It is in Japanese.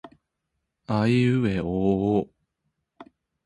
あいうえおおお